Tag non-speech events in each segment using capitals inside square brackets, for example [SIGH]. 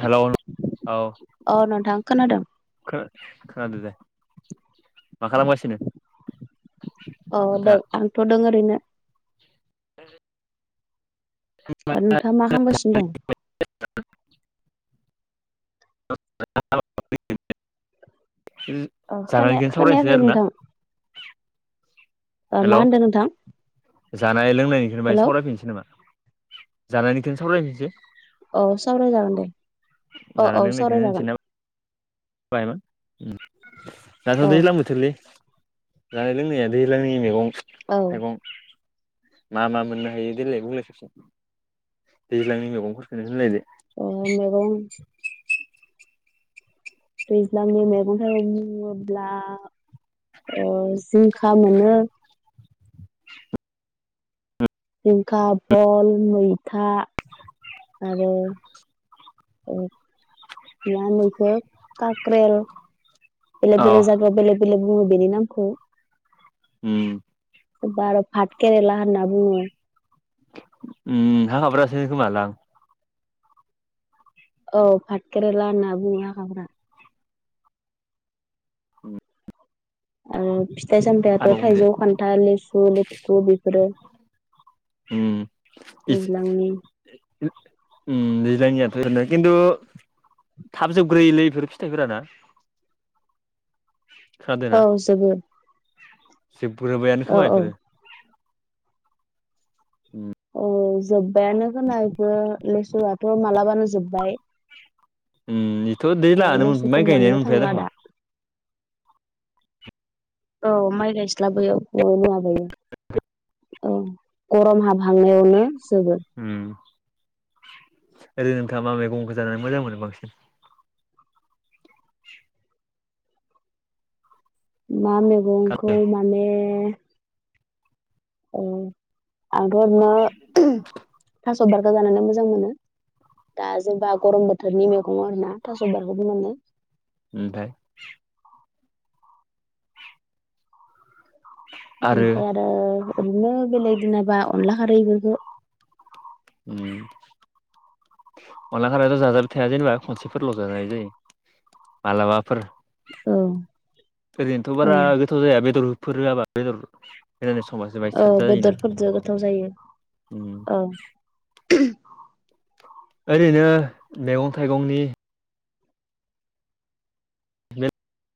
Hello औ अ नोंथां खोनादों खोनाद खोनादों दे। मा खालामगासिनो। अ नों नोंथाङा आंथ दों ओरैनो। आरो नोंथाङा मा खालामगासिनो दं। [INAUDIBLE] जानायनिखोनो ओ खोनाया सावरायनिसै खोनायाखै आरो ना? नोंथां ओ मा होन्दो नोंथांं। जानाय लोंनायनिखौनो बाहाय सावरायफिनसै नामा जानायनिखोनो सावरायफिनसै। औ सावरायजागोन दे औ औ सावरायजागोन। बायमोन दाथ' औ दैज्लां बोथोरलै। जानाय लोंनाया दैलांनि मैगं औ थाइगं। मा मा मोननो हायो देलाय बुंलाय खेबसे दैज्लांनि मैगंफोरखौनो होनलाय दे। अ मैगं। दैज्लांनि मैगं थाइगंबुङोब्ला अज जिंखा मोनो। जिंखा भल मैथा आरो। औ मा इखौ काक्रेल। अ बेलेग बेलेग जाग्रा बेलेग बेलेक बुङो बेनि नामखौ। उम। बा आरो भाद केरेला होनना बुङो। उम उम हाखाफोरासो होनो खोमा लाब औ भाटकेरेला होनना बुङो हाखाफोरा। आरो फिथाइ सामथायाथ' आरोबाव बुंदो थाइजौ खान्थाल लेसु लेथुखु बिफोरो। ओम इस। दैज्लांनि उम दैज्लांनिया खिनथु थाबजोबग्रोयोलै बेफोर फिथाइफोराना खोनादोंना औ जोबो। जोबग्रोबायानो खोमा औ औ बेफोरो औ जोब्बायानो खोनायबो लेसुआथ' मालाबानो जोब्बाय उम बेथ' दै लानानै लेसुखौ माइ मोननो गायनायानो थांला मोनफैया दा औ माइ गायस्लाबोयो नुवाबयो। औ गरम हाबहांनायावनो जोबो उम ओरै नोंथांङा मा मैगंखौ जानानै मोजां मोनो बांसिन मा मैगंखौ खालामो माने आरोथ'नो फास बार गोजानो मोजां मोनो दा जेनेबा गरम बोथोरनि मैगं आरो ना आथास' बारखबो मोननाय ओमफ्राय ओमफ्राय आरो ओरैनो बेलेग दिनाबा अनला खारै इफोरखौ उम। अनला खारैयाथ' जाजाबाय थाया जेनेबा खनसेफोरल' जाजायो जायो मालाबाफोर। औ ओरैनोथ' औ बारा गोथाव जाया बेदरफोर होआाबा बेदर होनानै संबासो बाहाय औ साद जायोना बेदरफोरजों गोथाव जायो उम औ [UNINTELLIGIBLE] ओरैनो मैगं थाइगंनि [UNINTELLIGIBLE]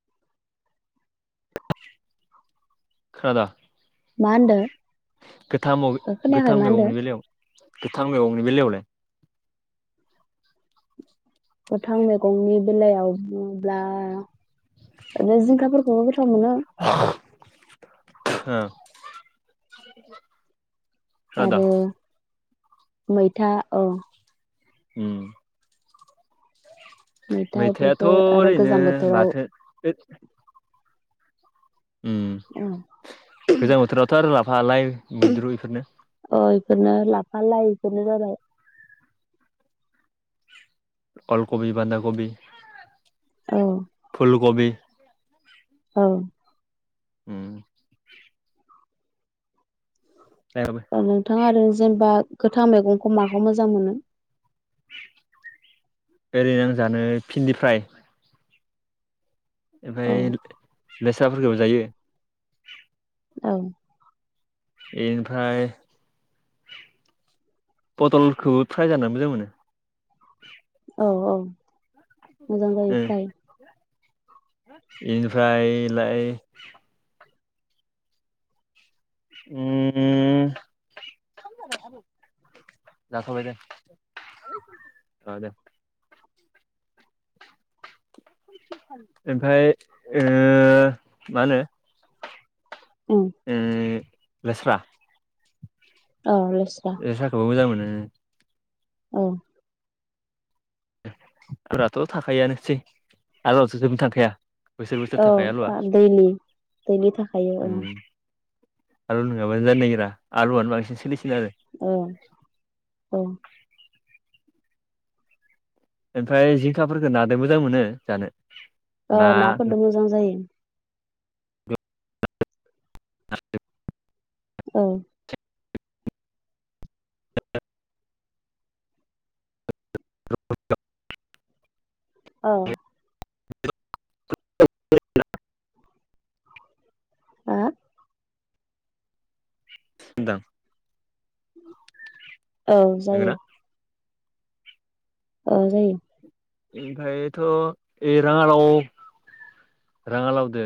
खोनादों। मा होनदों। गोथां गोथां मैगंनि बेलायाव गोथां मैगंनि बेलायावलाय गोथां मैगंनि बेलायाव बुंङो। आरो जिंखाफोरखौबो गोथाव मोनो। हो आरो मैथा औ उम। मैथा मैथायाथ' इफोरखो आरो ओरैनो गोजां बोथोराव बाथो उम गोजां बोथोरावथ' आरो राफा लाय अ बेफोरनो लाफा लाय बेफोरनो जाबाय। अलकबि बान्दा कबि औ फुलगबि ओं। उम औ नोंथांङा आरो जेनबा गोथां मेगंखौ माखौ मोजां मोनो? एरै आं जानो फिनदि फ्राय औ ओमफाय लेस्राफोरखोबो जायो। ओं। इनफ्राय फथल खोबो फ्राय जानो मोजां मोनो। औ औ मोजां जायो फ्राय। इनिफ्रायलाय उम जाथबाय दे ओ दे। ओमफाय ओ मा होनो? उम उम लेस्रा औ लेस लेस्रा खौबो मोजां मोनो ओं। ओं। फोराथ' थाखायोआनोसै आलुवाथ' जोबनो थांखाया। बोसोर बोसोर औ थाखायो आलुआ था दैलि दैलि थाखाय औ। उम आलु नोङाबानो जानो नागिरा आलुआनो बांसिन सोलिस औ औ। ओमफाय जिंखाफोरखो नादो मोजां मोनो जानो। ओ ना नाफोरदो मोजां जायो। [INAUDIBLE] औ। [INAUDIBLE] औ आ [UNINTELLIGIBLE] औ जायो। नोंगोना औ जायो। ओमफायथ' ए राङालाव राङालावदो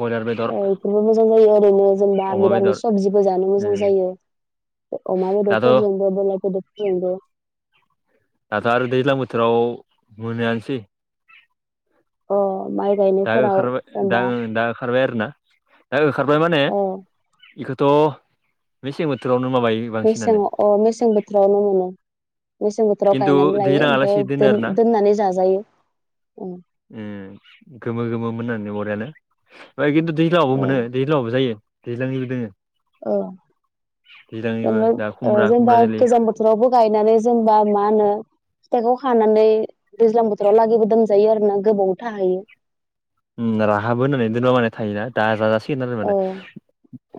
बयलार बेदर ओ इफोरबो मोजां जायो ओरैनो जेनेबा अमा बेदर मिरामिस सबजिबो जानो मोजां उम जायो। ओ अमा दाथ' बेदरफोरजोंबो बयलार बेदर जोंबो। दाथ' आरो दैज्लां बोथोराव मोनोआनसै। अ माइ गायनायफोराव जेनबा खारबाय आरोना दा ओखारबाय माने इखोथ' मेसें बोथोरावनो माबायो बांसिनानो मेसेङाव अ मेसें बोथ्रावनो मोनो। मेसें बोथोराव खिन्थु गायनानै लायो ओमफाय दैज्लाङालासि दोनो दोन आरोना दोननानै जाजायो। औ उम गोमो गोमो मोननानै बरियानो ओमफाय खिन्थु दैज्लाङावबो औ मोनो दैज्लावबो जायो दैज्लांनिबो दोङो औ दैज्लांनिबो जेनबा दा ओ खुमब्रा जेनेबा खुमब्रा जोलै गोजां बोथोरावबो गायनानै जेनेबा मा होनो फिथाइखौ खानानै दैज्लां बोथोराव लागिबो दोन जायो आरोना गोबाव थाहैयो। उम राहाब होनानै दोनबा माने थायोना दा जाजासि गोन आरो माने औ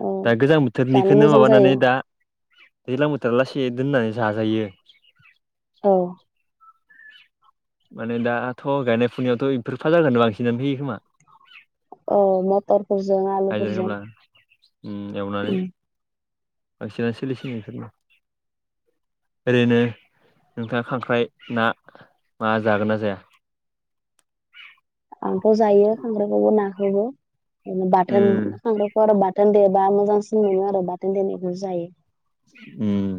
औ गोजां जानो बोथोरनिखोनो मोजां जायो माबानानै दा दैज्लां बोथोराव लासे दोननानै जाजायो। औ माने दाथ' गायनाय फुनायावथ' एफोर फाजाखोनो बांसिनानो होयो खोमा। औ मथरफोरजों हाजिरा आलुफोरजों खामला उम एवनानै बांसिनानो सोलिसिगोन बेफोरनो ओरैनो नोंथाङा खांख्राइ ना मा जागोन ना जाया? आंथ' जायो खांख्रायखौबो नाखौबो माने बाथोन उम खख्राइखौ आरो बा थोन देबा मोजांसिन मोनो आरो बाथोन देनायखौसो जायो। उम।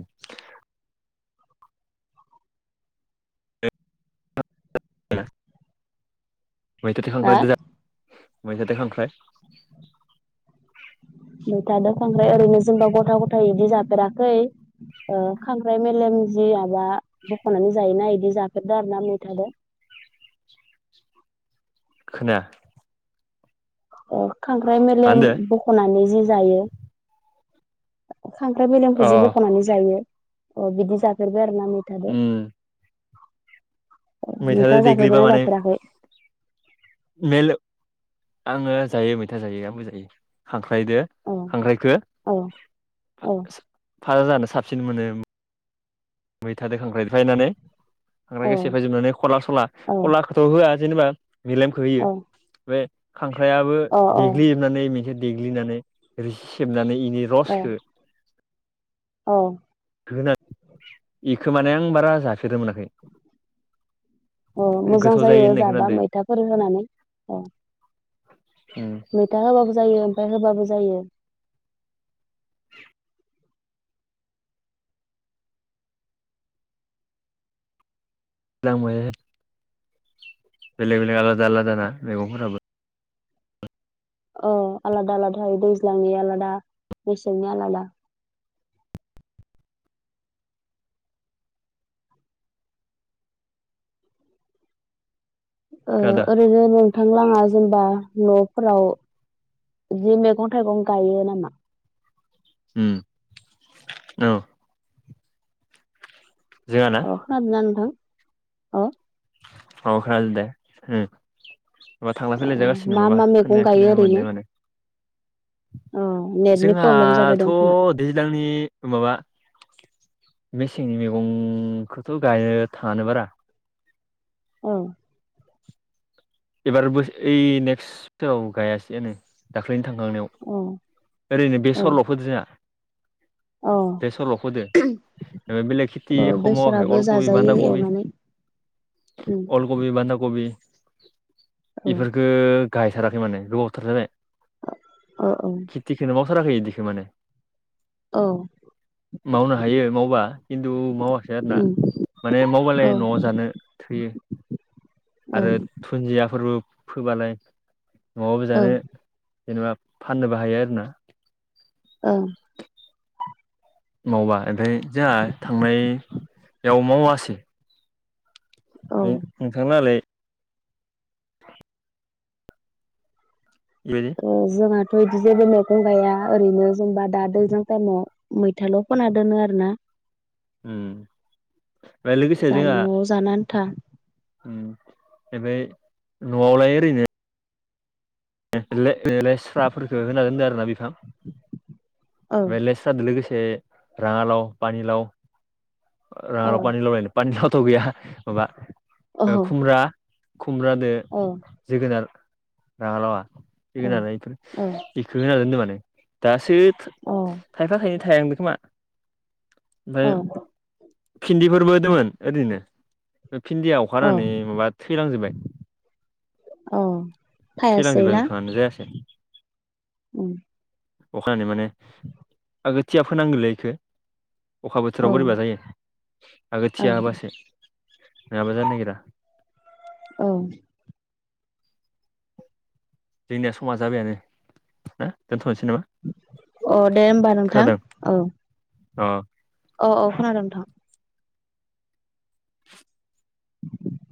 [UNINTELLIGIBLE] मैथादो हा खांख्रायदो जा मैथादो खांख्राय मैथादो खांख्राय ओरैनो जेनबा गथा गथा इदि जाफेराखै ओ खांख्राय मेलेम जि जाबा बख'नानै जायोना इदि जाफेरदो आरोना मैथादो खोनाया ओ खांख्राइ मा मेलेम होनदो बख'नानै जि जायो। खांख्राइ मेलेखौ अ जि बख'नानै जायो अ बिदि जाफेरबाय आरो ना मैथादो। उम ओ नोंथाङा मैथाजों जाफेरबायना जाफेराखै मेले आङो जायो मैथा जायो आंबो जायो खांख्रा औ [UNINTELLIGIBLE] खांख्रायखौ औ औ फाजा जानो साबसिन मोनो मैथादो खांख्राइ फायनानै औ खांख्राइखौ सेफायजोबनानै खला सला औ खलाखौथ' होआ जेनेबा मेलेमखो होयो औ बे खांख्राइआबो औ औ देग्लिजोबनानै [UNINTELLIGIBLE] देग्लिनानै रोसि सेबनानै इनि औ रसखौ औ। बेखो माने आं बारा जाफेरनो मोनाखै। अ मोजां गोथाव जायो होननाय जाबा खोनादो मैथाफोर होनानै अ उम मैथा होआबाबो जायो ओमफ्राय होबाबो जायो। [UNINTELLIGIBLE] बेलेग बेलेग आलादा आलादा ना मैगंफोराबो औ आलादा आलादा थायो दैज्लांनि आलादा मेसेंनि आलादा खोनादो ओरैनो नोंथां लाङा जेनबा न'फोराव इदि मैगं थाइगं गायो नामा? ‌ [UNINTELLIGIBLE] औ जोंहाना आं खोनादों ना नोंथां [UNINTELLIGIBLE] आं खोनादों दे [UNINTELLIGIBLE] माबा थांलाय अ फैलाय जागासिनो मा नङाबा मा मैगं खोनाया गायो खोनाया ओरैनो मोनदो माने अ नेटनि प्रब्लेम जाबाय जोंहाथ' दं खोमा दैज्लांनि माबा मेसेंनि मैगंखौथ' गायनो थाङानो बारा औ। एबारबो ओइ नेक्स्टथाव गायासैनो दाख्लै थांखांनायाव औ ओरैनो औ बेसरल'फोदो जोंङा [UNINTELLIGIBLE] बेलग खेथि औ खमाव बेसराबो अलकबि बान्दा जाजायो कबि एवनानै उम अलगबि बान्धाकबि औ बेफोरखौ गायथाराखै माने गोबावथार जाबाय। अ औ थाराखै इदिखो माने औ मावनो हायो मावबा खिन्थु मावाखै आरो ना। उम माने औ मावबलाय न'आव जानो थैयो औ आरो दाफोरबो फोबालाय न'वावबो औ जानो जेनेबा फाननोबो हायो आरोना। औ मावबा ओमफ्राय जोंहा थांनायाव मावासै। औ नोंथां लाहालाय? बेबायदि जोङा [UNINTELLIGIBLE] ओरैनो जेनेबा दा दैज्लां टाइमाव मैथाल' फोना दोनो आरोना। ओमफ्राय लोगोसे जा जोंहा न'आव जानो आन्था ओफ्राय नवावलाय ओरैनो लेसफ्राखो होना दोनदों आरो ना बिफां औ ओमफ्राय लेस्रादो लोगोसे राङा लाव पानि लाव औ राङालाव पानिलाव पानिलाव थ' गैया औ माबा खुमब्रा खुमब्रादो औ जोगोनार राङा लावा औ जोगोनारा इफोर इफोरखो होना दोनदों माने दासो थायफा थायनै थायहांदो खोमा? औ ओमफ्राय भिन्दिफोरबो होदोमोन ओरैनो भिन्दिया अ अखानानै माबा थैलांजोबबाय। औ थैलांजोबाय बिफाङानो जायासै। उम अखानानै माने आगो थिया फोनांगोलै बेखौ अखा औ बोथोराव बोरैबा जायो आगो औ थिया बासो। नङाबा जानो नागिरा। औ जोंनिया समा जाबायानो ना दोनथ'नोसै। नामा अ दे होमबा नोंथां औ औ अ औ खोनादों नोंथां। [INAUDIBLE] [INAUDIBLE]